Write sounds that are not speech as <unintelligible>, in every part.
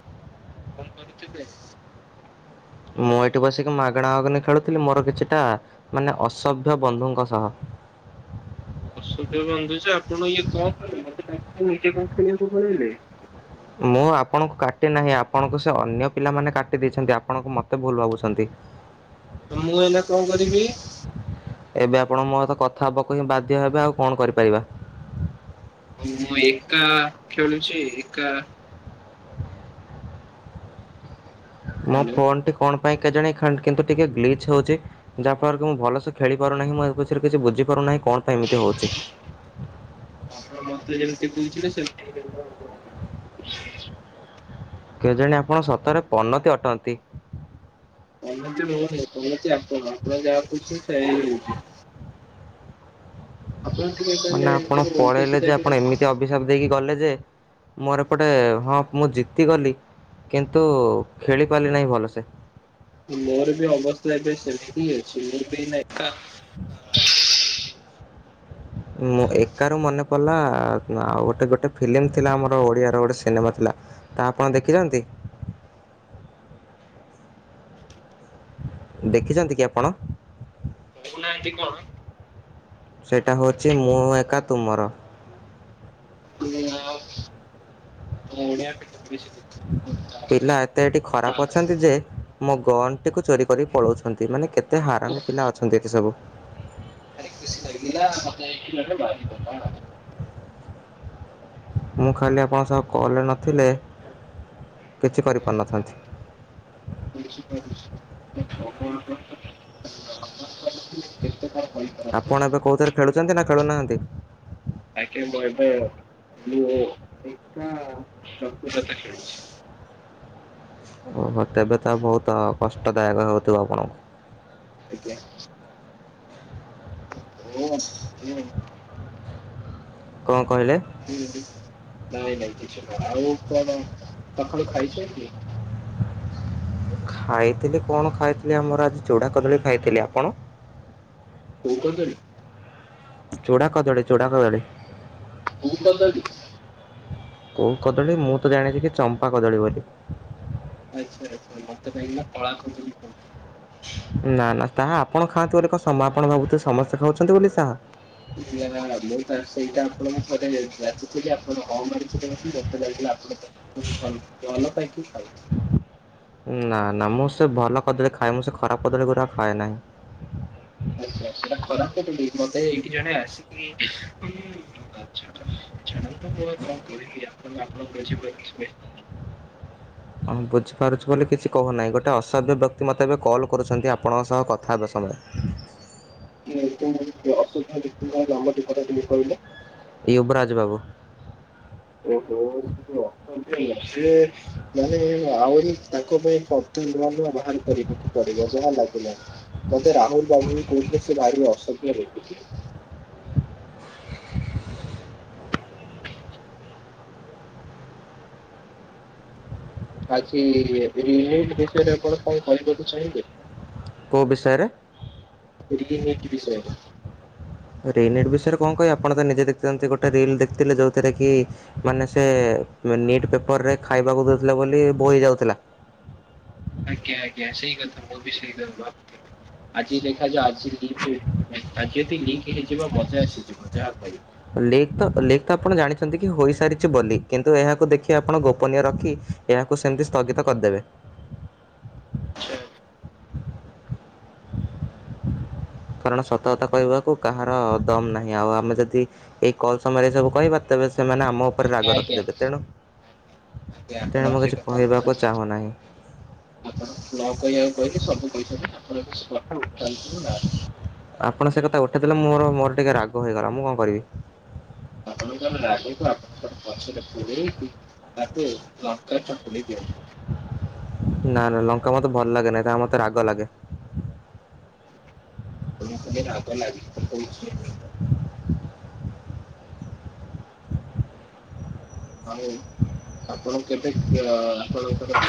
ହଁ କଣ କରୁଥିଲେ? ମୁଁ ଏଇଠି ବସିକି ମାଗଣା ମାଗଣ ଖେଳୁଥିଲି ମୋର କିଛିଟା ମାନେ ଅସଭ୍ୟ ବନ୍ଧୁଙ୍କ ସହ ଅସଭ୍ଯ ବନ୍ଧୁ ଯେ ଆପଣ ଇଏ କଣ <unintelligible> ପଲେଇଲେ। ମୁଁ ଆପଣଙ୍କୁ କାଟି ନାହିଁ ଆପଣଙ୍କୁ ସେ ଅନ୍ୟ ପିଲାମାନେ କାଟି ଦେଇଛନ୍ତି। ଆପଣଙ୍କୁ ମତେ ଭୁଲ ଭାବୁଛନ୍ତି। ତ ମୁଁ ଏଇନା କଣ କରିବି? ଏବେ ଆପଣ ମୋ ସହିତ କଥା ହେବାକୁ ହିଁ ବାଧ୍ୟ ହେବେ ଆଉ କଣ କରିପାରିବା। ମୁଁ ଏକା ଖେଳୁଛି ଏକା ମୋ ହ୍ୟାଲୋ ଫୋନ୍ ଟି କଣ ପାଇଁ କେଜାଣି କିନ୍ତୁ ଟିକେ ଗ୍ଲିଚ୍ ହୋଉଚି। ଯାହା ଫଳରେ କି ମୁଁ ଭଲସେ ଖେଳି ପାରୁନାହିଁ ମୁଁ ଏ ବିଷୟରେ କିଛି ବୁଝି ପାରୁନାହିଁ। କଣ ପାଇଁ ଏମିତି ହେଉଛି? <inaudible> ଆପଣ ମତେ ଯେମିତି କହୁଥିଲେ ସେମିତି କେଜାଣି ଆପଣ ସତରେ ପନତି ଅଟନ୍ତି। <unintelligible> ଆପଣ ଆପଣ ଯାହା କି ସେଇଆ ହଉଛି। ଆପଣ ଟିକେ କହିଲେ ମାନେ ଆପଣ କେବେ ଓଲଟା ପଳେଇଲେ ସିଧା ଯେ ଟିକେ ଆପଣ ଏମିତି କୁହନ୍ତୁ। ଅଭିଶାପ ଦେଇକି ଗଲେ ଯେ ମୋର ଏପଟେ ହଁ ମୁଁ ଜିତିଗଲି କିନ୍ତୁ ଖେଳି ପାରିଲି ନାହିଁ ଭଲସେ। ମୋର ବି ଅବସ୍ଥା ଏବେ ସେମିତି ଅଛି ମୋର <unintelligible> <inaudible> ମୁଁ ଏକାରୁ ମନେ ପଡିଲା ଆଉ ଗୋଟେ ଗୋଟେ ଫିଲ୍ମ ଥିଲା ଆମର ଓଡି଼ଆ ର ଗୋଟେ ସିନେମା ଥିଲା ତ ଆପଣ ଦେଖିଛନ୍ତି? ଦେଖିଛନ୍ତି କି ଆପଣ? ନାଁ ଟି କଣ? ସେଟା ହଉଛି ମୁଁ ଏକା ତୁମର। ଆ ବଢିଆ ପିଲା ଏତେ ଏଠି ଖରାପ ତାପରେ ଅଛନ୍ତି ଯେ ମୋ ଗଣ୍ଟିକୁ ଚୋରି କରି ପଳଉଛନ୍ତି ମାନେ କେତେ ହାରାମି ପିଲା ଅଛନ୍ତି ଏଠି ସବୁ <inaudible> ମୁଁ ଖାଲି ଆପଣଙ୍କ ସହ କଲ୍ ରେ ନଥିଲେ କିଛି କରିପାରିନଥାନ୍ତି। <unintelligible> ଆପଣ ଏବେ କୋଉଥିରେ ଖେଳୁଛନ୍ତି ନା ଖେଳୁନାହାନ୍ତି। ଆଜ୍ଞା ମୁଁ ଏବେ ମୁ। ଥା ଖେଳୁଛି। ଓହୋ ତେବେ ତ ବହୁତ କଷ୍ଟଦାୟକ ହେଉଥିବ ଆପଣଙ୍କୁ। କଣ କହିଲେ। ନାଇଁ ନାଇଁ କିଛି ଆଉ କଣ ସକାଳୁ ଖାଇଛନ୍ତି। ଖାଇଥିଲି କଣ ଖାଇଥିଲି ଆମର ଆଜି ଚୁଡା କଦଳୀ ଖାଇଥିଲି ଆପଣ। କୋଉ କଦଳୀ। ଚୂଡ଼ା କଦଳୀ ଚୂଡ଼ା କଦଳୀ। କୋଉ କଦଳୀ। କୋଉ କଦଳୀ ମୁଁ ତ ଜାଣିଛି କି ଚମ୍ପା କଦଳୀ ବୋଲି। ଆଚ୍ଛା ଆଚ୍ଛା ମତେ କାହିକି ନା କଳା କଦଳୀ ଖାଉଛ। ନା ନା ତାହା ଆପଣ ଖାଆନ୍ତି ବୋଲି କଣ ସମ ଆପଣ ଭାବୁଥିବେ ସମସ୍ତେ ଖାଉଛନ୍ତି ବୋଲି ତାହା। <unintelligible> ମୁଁ ତ ସେଇଟା ଆପଣଙ୍କୁ ଥରେ ଯାଚଥିଲି। ଆପଣ ହଁ ମାରିଥିଲେ ମତେ ଯାଇ <unintelligible> ହ ଭଲ ପାଇଁକି ଖାଉଚି। ନା ନା ମୁଁ ସେ ଭଲ କଦଳୀ ଖାଏ ମୁଁ ସେ ଖରାପ କଦଳୀ ଗୁଡା ଖାଏ ନାହିଁ। ଖାଉଥିଲେ ସେଟା ଖରାପ କଦଳୀ ମତେ ଏଇଠି ଜଣେ ଆସିକି <unintelligible> ଆଚ୍ଛା। ସେଟା ତ ମୁ ଆଉ କଣ କହିଲି ଆପଣ ଆପ୍ ବୁଝି ପାରୁଥିବେ। ବୁଝିପାରୁଛିୁ ବୋଲି କିଛି କହୁନାହିଁ ଗୋଟେ ଅସଭ୍ୟ ବ୍ୟକ୍ତି ମୋତେ ଏବେ କଲ୍ କରୁଛନ୍ତି ଆପଣଙ୍କ ସହ କଥା ହେବା ସମୟରେ। <unintelligible> ୟୁବରାଜ ବାବୁ। ଓହୋ ସେ ମାନେ ଆହୁରି ତାଙ୍କ ପାଇଁ କଟୁ ନୁଆ ନୂଆ ବାହାର କରିବାକୁ ପଡିବ ଯାହା ଲାଗିଲାଣି। ମତେ ରାହୁଲ ବାବୁ କହୁଥିଲେ ସେ ଭାରି ଅସ <unintelligible> ଆଜିି <unintelligible> ବିଷୟରେ ଆପଣ କଣ କହିବାକୁ ଚାହିଁବେ। କୋଉ ବିଷୟରେ। ଟିକେ ଟିକେ ବିଷ। ରେ ନିଟ ବିଷୟରେ କଣ କହିବି ଆପଣ ତ ନିଜେ ଦେଖିଛନ୍ତି ଗୋଟେ ରିଲ ଦେଖିଥିଲେ। ଯୋଉଥିରେ କି ମାନେ ସେ ନିଟ ପେପରରେ ଖାଇବାକୁ ଦଉଥିଲେ ବୋଲି ବୋହି ଯାଉଥିଲା। ଆଜ୍ଞା ଆଜ୍ଞା ସେଇ କଥା ମୁଁ ବି ସେଇକଥା ଭାବୁ। ଥିଲି ଆଜି ଦେଖାଯାଉ ଆଜି ଲିକ୍ ଆଜି ଯଦି ଲିକ୍ ହେଇଯିବ ମଜା ଆସିଯିବ ଯାହା କହିବ। ଲିକ୍ ତ ଲିକ୍ ତ ଆପଣ ଜାଣିଛନ୍ତି କି ହୋଇସାରିଛି ବୋଲି। କିନ୍ତୁ ଏହାକୁ ଦେଖି ଆପଣ ଗୋପନୀୟ ରଖି ଏହାକୁ ସେମିତି ସ୍ଥଗିତ କରିଦେବେ। ସେ। କାରଣ ସତକଥା କହିବାକୁ କାହାର ଦମ ନାହିଁ ଆଉ। ଆମେ ଯଦି ଏଇ କଲ ସମୟରେ ଏ ସବୁ କହିବା ତେବେ ସେମାନେ ଆମ ଉପରେ ରାଗ ଆଜ୍ଞା ଆଜ୍ଞା ରଖିଦେବେ ତେଣୁ ଆଜ୍ଞା ତେଣୁ ଆପଣ ମୁଁ ସେ କିଛି କଥା କହିବାକୁ <unintelligible> ଚାହୁଁନାହିଁ। କହିବାକୁ କହିଲେ ସବୁ କହିଛନ୍ତି ଆପଣ <unintelligible> <unintelligible> ଆପଣ ସେ କଥା ଉଠେଇ ଦେଲେ। ମୋର ମୋର ଟିକେ ରାଗ ହେଇଗଲା ମୁଁ କଣ କରିବି। ଆପଣଙ୍କର ରାଗକୁ ଆପଣଙ୍କର <unintelligible> ତାକୁ ଲସ୍କାର ଛକୁଲି ଦିଅନ୍ତିୁ। ନା ନା ଲଙ୍କା ମତେ ଭଲ ଲାଗେ ନାହିଁ ତା ମତେ ରାଗ ଲାଗେ। ମୁଁ ବିତ ରାଗ ଲାଗି ତ କହୁଛି। <inaudible> ହଉ ଆପଣ କେବେ ଅ ଆପଣଙ୍କର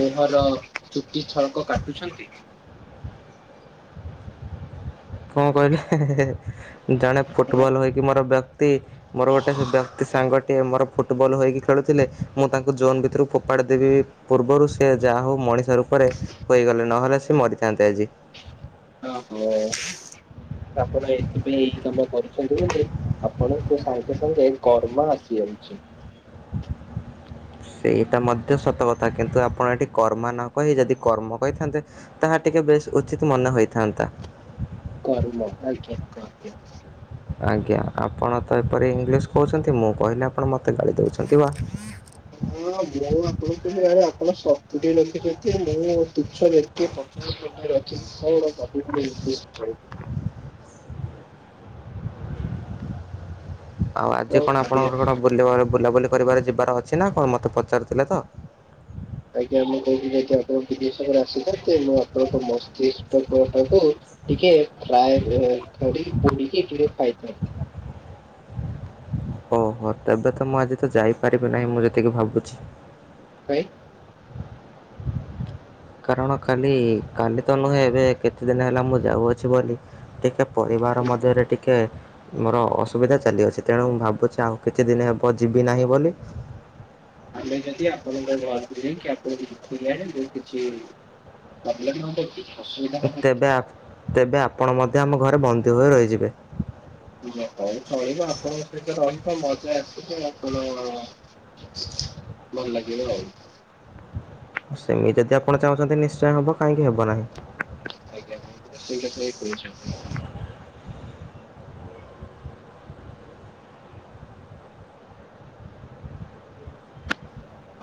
ମୁହଁର ଚୁଟି ଛଳକ କାଟୁଛନ୍ତି। କଣ କହିଲେ। ଜଣେ ଆପଣ ଫୁଟବଲ୍ ହୋଇକି ମୋର ବେକ୍ କ୍ତି ମୋର ଗୋଟେ ବ୍ୟକ୍ତି ସାଙ୍ଗଟିଏ ମୋର ଫୁଟବଲ୍ ହୋଇକି ଖେଳୁଥିଲେ। ମୁଁ ତାଙ୍କୁ ଜୋନ୍ ଭିତରୁ ଫୋପାଡ଼ି ଦେବି ପୂର୍ବରୁ ସେି ଯାହା ହଉ ମଣିଷ ରୂପରେ ହୋଇଗଲେ। ନହେଲେ ସେ ମରିଥାନ୍ତେ ଆଜି। ଓହୋ ଆପଣ ଏଥିପାଇଁ ଏଇ କାମ କରୁଛନ୍ତି ଯେ ଆପଣଙ୍କୁ ସାଙ୍ଗେ ସାଙ୍ଗେ କର୍ମ ଆସି ଯାଉଛି। ସେଇଟା ମଧ୍ୟ ସତ କଥା କିନ୍ତୁ ଆପଣ ଏଠି କର୍ମ ନ କହି ଯଦି କର୍ମ କହିଥାନ୍ତେ ତାହା ଟିକେ ବେଶ ଉଚିତ ମନେ ହୋଇଥାନ୍ତା। କର୍ମ ଆଜ୍ଞା କହିବେ। ଆଜ୍ଞା ଆପଣ ତ ଏପରି ଇଂଲିଶ କହୁଛନ୍ତି ମୁଁ କହିଲି ଆପଣ ମ ମତେ ଗାଳି ଦଉଛନ୍ତି ବା। ଶୁଣୁଥିଲୁ ଭରେ ଆପଣ ସତୁରି ରଖିଛନ୍ତି ମୁଁ ଦୁଇଛ ଦେଖେ ପଚାଶ ଟଙ୍କା ରଖିଚି ଶୋହଳ ଟଙ୍କା। ହ <inaudible> ଆଉ ଆଜି କଣ ଆପଣଙ୍କର ବୁଲିବାର ବୁଲା ବୁଲି ପରିବାର ଯିବାର ଅଛି ନା କଣ ମତେ ପଚାରୁଥିଲେ ତ? ଆଜ୍ଞା ମୁଁ କହୁଥିଲିକି ଆପଣ ବିଦେଶରେ ଆସିଥାନ୍ତେ ମୁଁ ଆପଣଙ୍କ ମସ୍ତିଷ୍କ ଟିକେ ଫ୍ଲାଏ ପୋଡିକି ଟିକେ ଖାଇଥାନ୍ତି। ଓହୋ ହଠାତ୍ ତ ମୁଁ ଆଜି ତ ଯାଇପାରିବି ନାହିଁ ମୁଁ ଯେତିକି ଭାବୁଛି। କାଇଁ? କାରଣ କାଲି କାଲି ତ ନୁହେଁ ଏବେ କେତେ ଦିନ ହେଲା ମୁଁ ଯାଉଅଛି ବୋଲି ଟିକେ ପରିବାର ମଧ୍ୟରେ ଟିକେ ମୋର ଅସୁବିଧା ଚାଲି ଅଛି ତେଣୁ ମୁଁ ଭାବୁଛି ଆଉ କିଛି ଦିନ ହେବ ଯିବି ନାହିଁ ବୋଲି। ଆମେ ଯଦି ଆପଣଙ୍କ ଘର କୁ ଯାଇକି ଆପଣକୁ କରିକି ଆଣିବୁ କିଛି ପ୍ରବ୍ଲେମ ହବ କି? ଅସୁବିଧା ହବ ତେବେ ଆପ୍ ତେବେ ଆ ଆପଣ ମଧ୍ୟ ଆମ ଘରେ ବନ୍ଦୀ ହୋଇ ରହିଯିବେ। ମଜାଆସିଥିଲା ଭଲ ଲାଗିବ ଆଉ। ସେମିତି ଯଦି ଆପଣ ଚାହୁଁଛନ୍ତି ନିଶ୍ଚୟ ହବ କାହିଁକି ହବ ନାହିଁ। ଆଜ୍ଞା ମୁଁ ସେଇ କଥା କହୁଛି।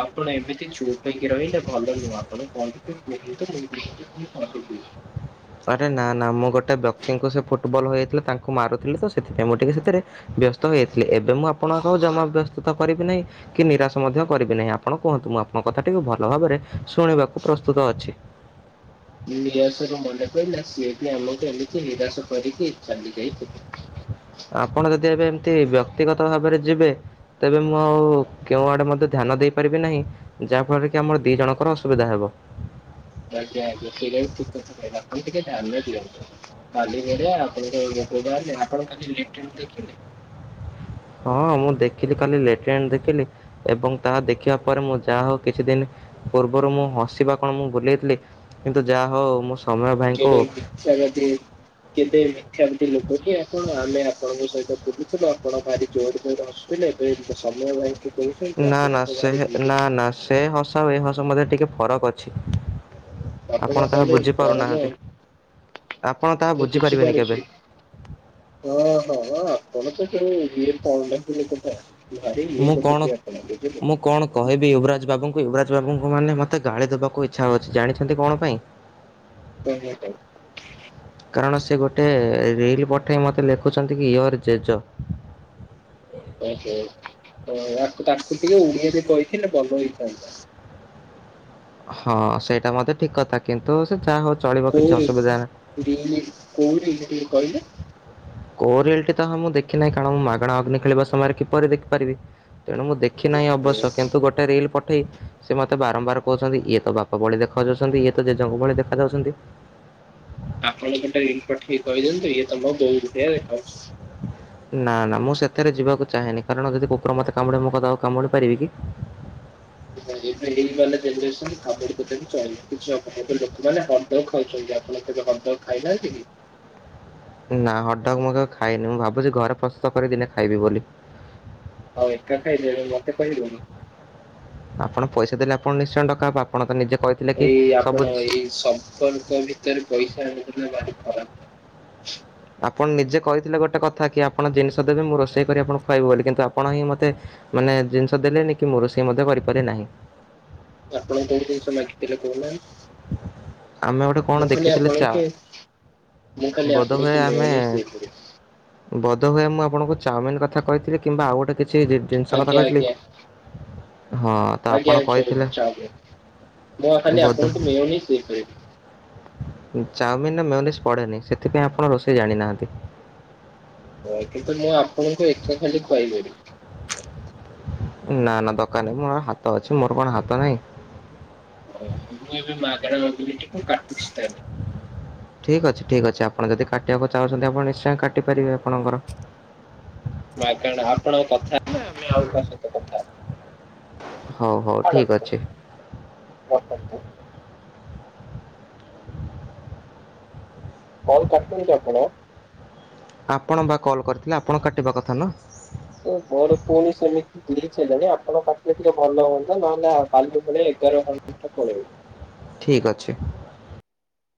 ଆପଣ ଏମିତି ଚୁପ ହେଇକି ରହିଲେ ଭଲ ନୁହଁ ଆପଣ କୁହନ୍ତୁ ମୁଁ ଆରେ ନା ନା ମୁଁ ଗୋଟେ ବ୍ୟକ୍ତିଙ୍କୁ ସେ ଫୁଟବଲ ହୋଇଯାଇଥିଲେ ତାଙ୍କୁ ମାରୁଥିଲି ତ ସେଥିପାଇଁ ମୁଁ ଟିକେ ସେଥିରେ ବ୍ୟସ୍ତ ହୋଇଯାଇଥିଲି ଏବେ ମୁଁ ଆପଣଙ୍କୁ ଜମା ବ୍ୟସ୍ତିତ କରିବି ନାହିଁ କି ନିରାଶ ମଧ୍ୟ କରିବି ନାହିଁ ଆପଣ କୁହନ୍ତୁ ମୁଁ ଆପଣଙ୍କ କଥା ଟିକେ ଭଲ ଭାବରେ ଶୁଣିବାକୁ ପ୍ରସ୍ତୁତ ଅଛି। ନିରାସରୁ ମନେ ପଡିଲା ସିଏ ବି ଆମକୁ ଏମିତି ନିରାଶ କରିକି ଚାଲିଯାଇଥିଲେ। ଆପଣ ଯଦି ଏବେ ଏମତି ବ୍ୟକ୍ତିଗତ ଭାବରେ ଯିବେ ତେବେ ମୁଁ ଆଉ କେଉ ଆଡେ ମଧ୍ୟ ଧ୍ୟାନ ଦେଇପାରିବି ନାହିଁ ଯାହା ଫଳରେ କି ଆମ ଦୁଇ ଜଣଙ୍କର ଅସୁବିଧା ହବା। ଆଜ୍ଞା ଆଜ୍ଞା ସେ ଠିକ କଥା କହିଲେ ଆପଣ ଟିକେ ଧ୍ୟାନରେ ଦିଅନ୍ତୁ କାଲି ନଲେ ଆପଣେ ଆପଣ କାଲି ଲେଟ ଦେଖିଲେ। ହଁ ମୁଁ ଦେଖିଲି କାଲି ଲେଟ୍ରେ ଦେଖିଲି ଏବଂ ତାହା ଦେଖିବା ପରେ ମୁଁ ଯାହା ହଉ କିଛି ଦିନ ପୂର୍ବରୁ ମୁଁ ହସିବା କଣ ମୁଁ ଭୁଲିଇଥିଲି କିନ୍ତୁ ଯାହା ହଉ ମୁଁ ସୌମ୍ୟ ଭାଇଙ୍କୁ କେଡେ ମିଥ୍ୟାବାଦୀ କେତେ ମିଥ୍ୟାମିଥି ଲୋକ କି ଆପଣ ଆମେ ଆପଣଙ୍କ ସହିତ ବୁଲୁଥିଲ ଆପଣ ଭାରି ଜୋର ଜୋର ରେ ହସୁଥିଲେ ଏବେ ସମୟ ଭାଇ ନା ନା ସେ ନା ନା ସେ ହସ ଏ ହସ ମଧ ରେ ଟିକେ ଫରକ ଅଛି। ଆପଣ ତାହା କହଲେ କରମ ବୁଝିପାରୁନାହାନ୍ତି। ଆପଣ ତାହା ବୁଝିପାରିବେନି କେବେ ବୁଝିପାରୁଛୁ ହଁ ହଁ ଆପଣ ତେଣୁ ଇଏ କଣ ଟା କଥା। ମୁଁ କଣ ମୁଁ କଣ କହିବି ୟୁବରାଜ ବାବୁ ୟୁବରାଜ ବାବୁଙ୍କୁ ମାନେ ମତେ ଗାଳି ଦବାକୁ ଇଚ୍ଛା ହଉଛି ଜାଣିଛନ୍ତି କଣ ପାଇଁ <unintelligible> କାରଣ ସେ ଗୋଟେ ରିଲ ପଠେଇ ମତେ ଲେଖୁଛନ୍ତି କି ୟୁ ଆର୍ ଜେଜ। ୟାକୁ ତାକୁ ଟିକେ ଓଡିଆ ବି କହିଥିଲେ ଭଲ ହେଇଥାନ୍ତା। ହଁ ସେଇଟା ମତେ ଠିକ କଥା କିନ୍ତୁ ସେ ଯାହା ହଉ ଚଳିବ କିଛି ଅସୁବିଧା ନାହିଁ। <unintelligible> କିଏ କଇଲେ କୋଉ ରିଲ ଟି ତ ହଁ ମୁଁ ଦେଖି ନାହିଁ କାରଣ ମୁଁ ମାଗଣା ଅଗ୍ନି ଖେଳିବା ସମୟରେ କିପରି ଦେଖିପାରିବି ତେଣୁ ମୁଁ ଦେଖି ନାହିଁ ଓହୋ। ଅବଶ୍ୟ କିନ୍ତୁ ଗୋଟେ ରିଲ ପଠେଇ ସେ ମତେ ବାରମ୍ବାର କହୁଛନ୍ତି ଇଏ ତ ବାପା ଭଳି ଦେଖ ଯାଉଛନ୍ତି ଇଏ ତ ଜେଜେଙ୍କ ଭଳି ଦେଖାଯାଉଛନ୍ତି। ଆପଣ ଗୋଟାଏ ଲିଙ୍କ ପଠେଇକି କହିଦିଅନ୍ତୁ ଇଏ ତମ ବହୁ କୁ ଟିକିଏ ଦେଖା ଯାଉଛନ୍ତି ନାଁ ନାଁ ମୁଁ ସେଥିରେ ଯିବାକୁ ଚାହେଁନି କାରଣ ଯଦି କୁକୁର ମତେ କାମୁଡିବ ମୁଁ କଣ ତାକୁ କାମୁଡି ପାରିବି କି? ଏବେ ଏଇ ବାଲା ଜେନେରେସନ କାମୁଡି ପକେଇକି ଚଳିବ କିଛି ହବନି ଲୋକମାନେ ହଟ ଡଗ ଖାଉଛନ୍ତି ଆପଣ କେବେ ହଟ ଡଗ ଖାଇନାହାନ୍ତି କି? ନାଁ ହଟ ଡଗ ମୁଁ କେବେ ଖାଇନି ମୁଁ ଭାବୁଚି ଘରେ ପ୍ରସ୍ତୁତ କରି ଦିନେ ଖାଇବି ବୋଲି ଆଉ ଏକା ଖାଇଦେବେ ମତେ କହିବେନି ଆପଣ ପଇସା ଦେଲେ ଆପଣ ନିଶ୍ଚୟ ଡକା ହବ ଆପଣ ତ ନିଜେ କହିଥିଲେ କି ଏଇ ସବୁ ଆପଣ ଏଇ ସମ୍ପର୍କ ଭି ତରେ ପଇସା ଆଣିଲେ ଭାରି ଖରାପ ଆପଣ ନିଜେ କହିଥିଲେ ଗୋଟେ କଥା କି ଆପଣ ଜିନିଷ ଦେବେ ମୁଁ ରୋଷେଇ କରି ଆପଣ ଖୁଆଇବି ବୋଲି କିନ୍ତୁ ଆପଣ ହିଁ ମୋତେ ମାନେ ଜିନିଷ ଦେଲେନି କି ମୁଁ ରୋଷେଇ ମଧ୍ୟ କରିପାରିଲି ନାହିଁ। ଆପଣ କୋଉ ଜିନିଷ ମାଗିଥିଲେ କହୁନାହାନ୍ତି <inaudible> କଣ ମୁଁ କାଲି ଦେଖିଥିଲେ ଚା ଆପଣଙ୍କୁ ମୁଁ କାଲି ଆପଣଙ୍କୁ <unintelligible> ବୋଧେ ହୁଏ ମୁଁ ଆପଣଙ୍କୁ ଚାଓମିନ କଥା କହିଥିବି କିମ୍ବା ଆଉ ଗୋଟେ କିଛି ଜି ଜିନିଷ କଥା ଆଜ୍ଞା କହିଥିଲି। ଆଜ୍ଞା ହଁ ତ ଆପଣ ଆଜ୍ଞା ଚା କହିଥିଲେ ପିଉ ମୁଁ ପା କାଲି ଆପଣଙ୍କୁ ମିଳୁନି <inaudible> ଚାଓମିନ ରେ ମିଓନିଜ ପଡେନି ସେଥିପାଇଁ ଆପଣ ରୋଷେଇ ଜାଣିନାହାନ୍ତି ହଁ କିନ୍ତୁ ମୁଁ ଆପଣଙ୍କୁ ଏଠେ କାଲି ଖୁଆଇଦେବି ନାଁ ନାଁ ଦରକାର ନାହିଁ ମୋ ହାତ ଅଛି ମୋର କଣ ହାତ ନାହିଁ ତମକୁ ଏବେ ମାଗେଣା ଦଉଚି ବୋଲି କାଟୁଚି ଖାଇବାକୁ ଠିକ୍ ଅଛି ଠିକ୍ ଅଛି ଆପଣ ଯଦି କାଟିବାକୁ ଚାହୁଁଚନ୍ତି ଆପଣ ନିଶ୍ଚୟ କାଟିପାରିବେ ଆପଣଙ୍କର ନା କଣ ଆପଣଙ୍କ କଥା ହେବେ ନା ମାନେ ଆଉ କାହା ସହିତ କଥା ହେବେ ହଉ ହଉ ଠିକ୍ ଅଛି ରଖନ୍ତୁ। କଣ କରୁଛନ୍ତି ଆପଣ? ଆପଣ ବା କଲ୍ କରିଥିଲେ ଆପଣ କାଟିବା କଥା ନା ମୋର ପୁଣି ସେମିତି କିଛି ନାହିଁ ନା ଆପଣ କାଟିଲେ ଟିକେ ଭଲ ହୁଅନ୍ତା ନହେଲେ କାଲି ଭଳି ଏଗାର ଘଣ୍ଟା ପଳେଇବ ଠିକ ଅଛି